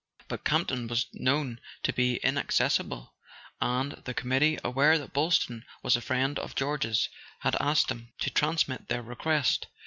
But Campton was known to be inaccessible, and the committee, aware that Boylston was a friend of George's, had asked him to transmit their request.